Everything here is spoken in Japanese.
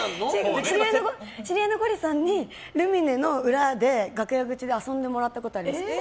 知り合いのゴリさんにルミネの裏の楽屋口で遊んでもらったことあります。